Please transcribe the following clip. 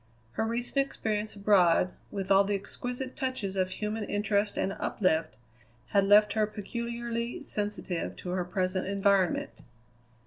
Her recent experience abroad, with all the exquisite touches of human interest and uplift, had left her peculiarly sensitive to her present environment.